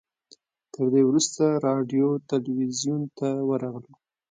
تر دې وروسته راډیو تلویزیون ته ورغلو.